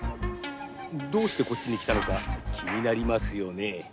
どうしてこっちに来たのか気になりますよね？